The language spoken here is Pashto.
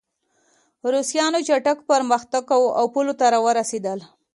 روسانو چټک پرمختګ کاوه او پولو ته راورسېدل